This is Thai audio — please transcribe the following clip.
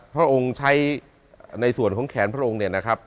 พระองค์ใช้ในส่วนของแขนพระองค์เนี่ยนะครับ